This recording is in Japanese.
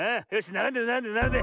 ならんでならんでならんで。